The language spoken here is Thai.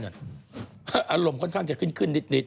อารมณ์ค่อนข้างจะขึ้นนิด